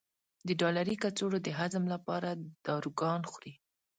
د ډالري کڅوړو د هضم لپاره داروګان خوري.